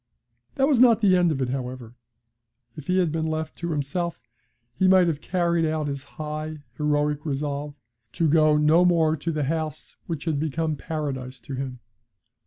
That was not the end of it, however. If he had been left to himself he might have carried out his high, heroic resolve to go no more to the house which had become Paradise to him.